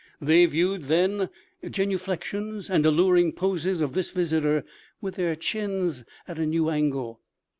They viewed, then, genuflexions and alluring poses of this visitor with their chins at a new angle.